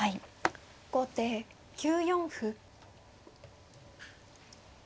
後手９四歩。